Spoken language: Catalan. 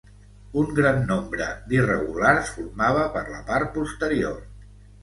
Un gran nombre d'irregulars formava per la part posterior.